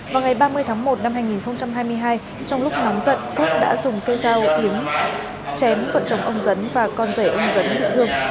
vào ngày ba mươi tháng một năm hai nghìn hai mươi hai trong lúc nóng giận phước đã dùng cây dao đính chém vợ chồng ông dấn và con rể ông dấn bị thương